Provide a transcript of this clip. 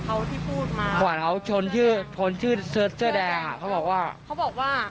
เขาที่พูดมาขวานเขาชนชื่อชนชื่อเสิร์ชเสื้อแดงอ่ะเขาบอกว่าเขาบอกว่า